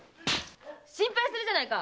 心配するじゃないか！